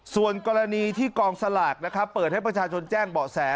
ส่วนกรณีที่กองสลากนะครับเปิดให้ประชาชนแจ้งเบาะแส